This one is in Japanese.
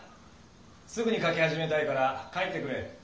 すぐに描き始めたいから帰ってくれ。